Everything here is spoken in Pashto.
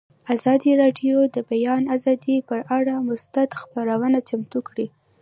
ازادي راډیو د د بیان آزادي پر اړه مستند خپرونه چمتو کړې.